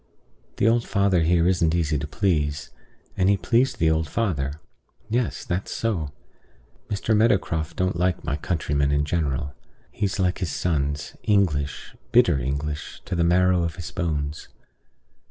The old father here isn't easy to please; and he pleased the old father. Yes, that's so. Mr. Meadowcroft don't like my countrymen in general. He's like his sons English, bitter English, to the marrow of his bones.